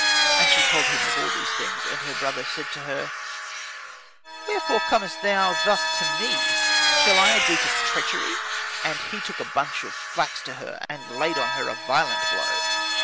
And she told him of all these things. And her brother said to her, "Wherefore comest thou thus to me? Shall I agree to treachery?" And he took a bunch of the flax to her, and laid on her a violent blow.